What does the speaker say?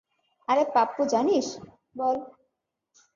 আরে পাপ্পু জানিস, - বল।